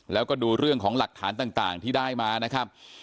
แล้วก็ดูเรื่องของหลักฐานต่างที่ได้มานะครับ